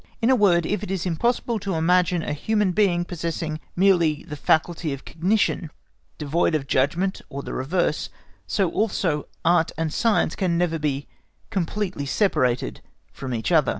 In a word, if it is impossible to imagine a human being possessing merely the faculty of cognition, devoid of judgment or the reverse, so also Art and Science can never be completely separated from each other.